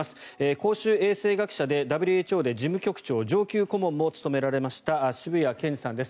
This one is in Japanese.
公衆衛生学者でＷＨＯで事務局長上級顧問も務められました渋谷健司さんです。